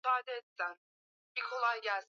Kukabiliana na hatari hizi